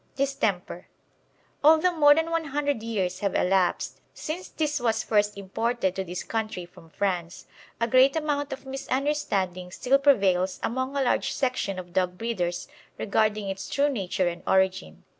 DISTEMPER. Although more than one hundred years have elapsed since this was first imported to this country from France, a great amount of misunderstanding still prevails among a large section of dog breeders regarding its true nature and origin.